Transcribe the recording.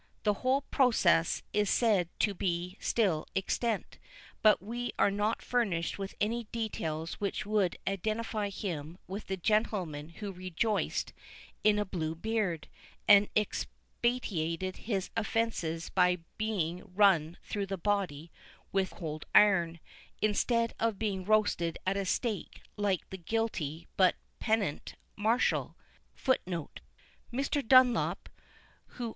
The whole procès is said to be still extant: but we are not furnished with any details which would identify him with the gentleman who rejoiced in a blue beard, and expiated his offences by being run through the body with cold iron, instead of being roasted at a stake like the guilty but penitent Marshal.